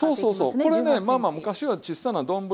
これねまあまあ昔はちっさな丼